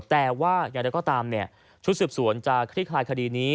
แต่ชุดสืบสวนคลิคลายคดีนี้